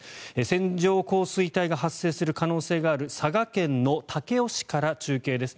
線状降水帯が発生する可能性がある佐賀県武雄市から中継です。